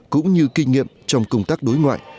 cũng như kinh nghiệm trong công tác đối ngoại